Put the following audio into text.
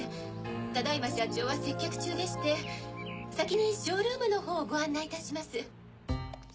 ただ今社長は接客中でして先にショールームのほうをご案内いたします。